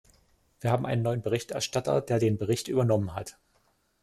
Wir haben einen neuen Berichterstatter, der den Bericht übernommen hat.